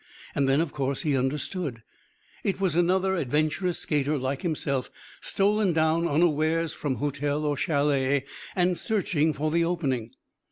And then, of course, he understood. It was another adventurous skater like himself, stolen down unawares from hotel or chalet, and searching for the opening.